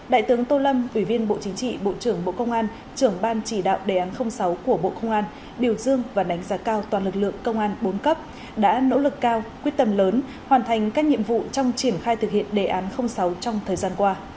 đại tướng tô lâm ủy viên bộ chính trị bộ trưởng bộ công an trưởng ban chỉ đạo đề án sáu của bộ công an biểu dương và đánh giá cao toàn lực lượng công an bốn cấp đã nỗ lực cao quyết tâm lớn hoàn thành các nhiệm vụ trong triển khai thực hiện đề án sáu trong thời gian qua